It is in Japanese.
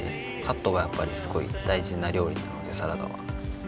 カットがやっぱりすごい大事な料理なのでサラダは。